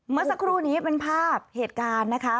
เมื่อสักครู่นี้เป็นภาพเหตุการณ์นะคะ